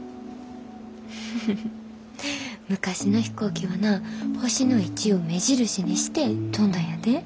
フフフ昔の飛行機はな星の位置を目印にして飛んだんやで。